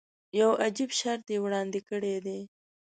یو عجیب شرط یې وړاندې کړی دی.